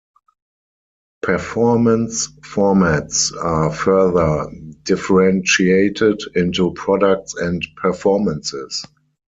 Performance formats are further differentiated into products and performances.